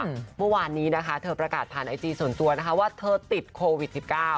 เมื่อวานนี้เธอประกาศผ่านไอจีส่วนตัวว่าเธอติดโควิด๑๙